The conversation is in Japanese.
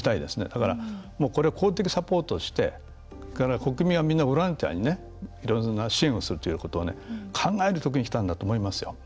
だから、これを公的サポートして国民はみんなボランティアでいろんな支援をするということを考えるときにきたんだと思いますよ。